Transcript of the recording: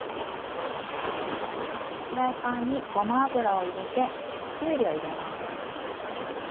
フライパンにごま油を入れてきゅうりを入れます。